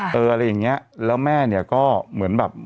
อะไรอย่างเงี้ยแล้วแม่เนี่ยก็เหมือนแบบ